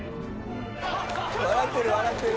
「笑ってる笑ってる」